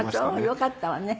よかったわね。